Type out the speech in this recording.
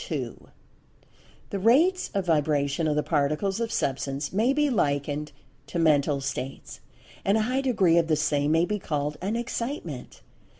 —The rates of vibration of the Particles of Substance may be likened to "Mental States"; and a high degree of the same may be called an "Excitement."